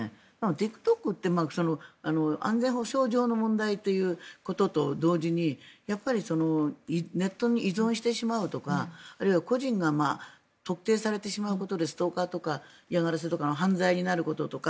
ＴｉｋＴｏｋって安全保障上の問題ということと同時にやっぱりネットに依存してしまうとかあるいは個人が特定されてしまうことでストーカーとか嫌がらせとかの犯罪になることとか